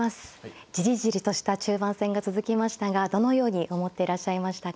ジリジリとした中盤戦が続きましたがどのように思っていらっしゃいましたか。